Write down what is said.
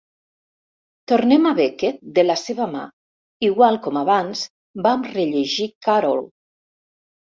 Tornem a Beckett de la seva mà, igual com abans vam rellegir Carroll.